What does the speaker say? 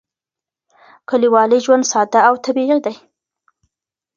کلیوالي ژوند ساده او طبیعي دی.